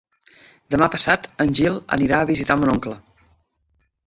Demà passat en Gil anirà a visitar mon oncle.